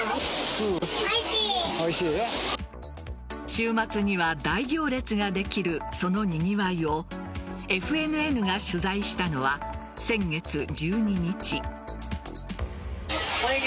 週末には大行列ができるそのにぎわいをＦＮＮが取材したのは先月１２日。